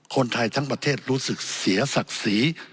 คนไทยทั้งประเทศรู้สึกเสียศักดิ์ศรี